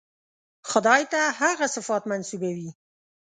خدای ته هغه صفات منسوبوي.